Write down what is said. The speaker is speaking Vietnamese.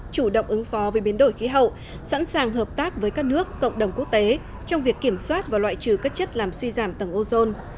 chủ động ứng phó với biến đổi khí hậu sẵn sàng hợp tác với các nước cộng đồng quốc tế trong việc kiểm soát và loại trừ các chất làm suy giảm tầng ozone